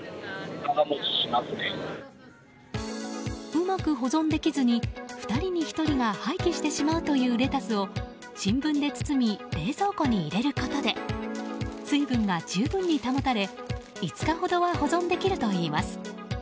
うまく保存できずに２人に１人が廃棄してしまうというレタスを新聞で包み冷蔵庫に入れることで水分が十分に保たれ５日ほどは保存できるといいます。